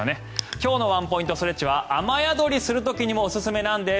今日のワンポイントストレッチは雨宿りする時にもおすすめなんです。